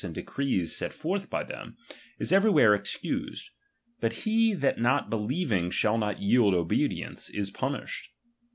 nd decrees set forth by them, is everywhere excused, but he that not believing shall not yield obedience, is punished.